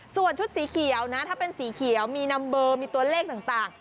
ส่วนชุดสีเขียวนะถ้าเป็นสีเขียวมีนัมเบอร์มีตัวเลขต่าง